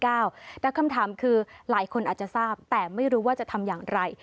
แต่คำถามคือหลายคนอาจจะทราบแต่ไม่รู้ว่าจะทำอย่างไร